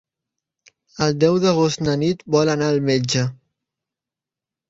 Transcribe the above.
El deu d'agost na Nit vol anar al metge.